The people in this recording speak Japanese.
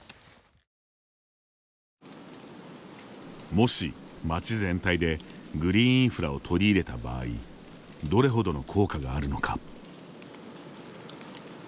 もし街全体でグリーンインフラを取り入れた場合どれほどの効果があるのか。